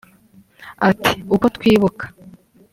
Ati ‘‘Uko twibuka